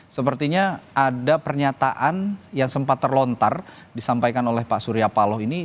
sepertinya ada pernyataan yang sempat terlontar disampaikan oleh pak surya paloh ini